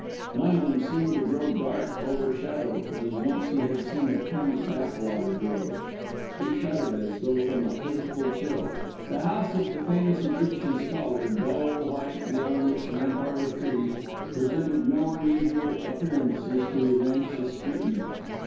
London seemed to grow dark, overshadowed, as once he had seen a Thames backwater grow. He shuddered, as though from a physical chill. The house of the famous Egyptian scholar, dull white behind its rampart of trees, presented no unusual appearances to his anxious scrutiny.